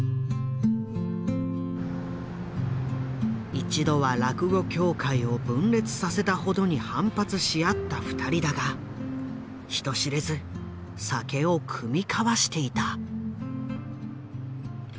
一度は落語協会を分裂させたほどに反発し合った２人だが人知れず酒を酌み交わしていた。